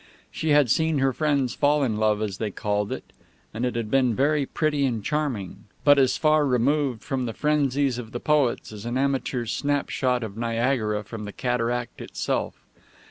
She had seen her friends fall in love, as they called it, and it had been very pretty and charming, but as far removed from the frenzies of the poets as an amateur's snapshot of Niagara from the cataract itself.